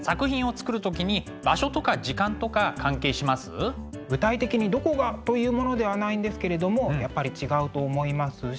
ちなみに井上さんは具体的にどこがというものではないんですけれどもやっぱり違うと思いますし。